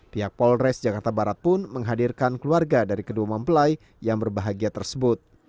pihak polres jakarta barat pun menghadirkan keluarga dari kedua mempelai yang berbahagia tersebut